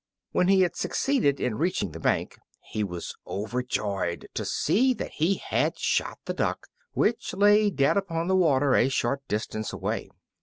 When he had succeeded in reaching the bank he was overjoyed to see that he had shot the duck, which lay dead upon the water a short distance away.